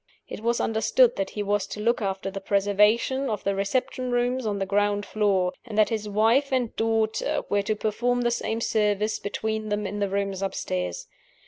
It was understood that he was to look after the preservation of the reception rooms on the ground floor; and that his wife and daughter were to perform the same service between them in the rooms upstairs.